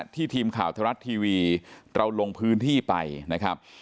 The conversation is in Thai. ทีมข่าวไทยรัฐทีวีเราลงพื้นที่ไปนะครับ